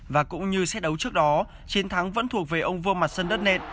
và cũng như set đấu trước đó chiến thắng vẫn thuộc về ông vương mặt sân đất nện